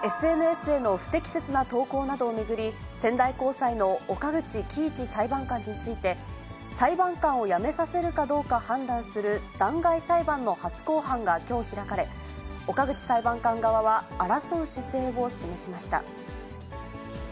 ＳＮＳへの不適切な投稿などを巡り、仙台高裁の岡口基一裁判官について、裁判官を辞めさせるかどうか判断する弾劾裁判の初公判がきょう開かれ、岡口裁判官側は、争う姿勢を示しました。